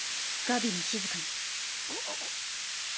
ガビも静かに。